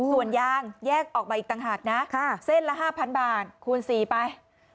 ส่วนยางแยกออกไปอีกต่างหากนะเส้นละ๕๐๐๐บาทคูณสี่ไป๒๐๐๐๐